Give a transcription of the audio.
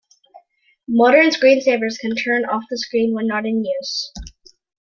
Modern screensavers can turn off the screen when not in use.